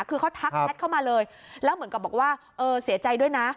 คือเขาทักแชทเข้ามาเลยแล้วเหมือนกับบอกว่าเออเสียใจด้วยนะ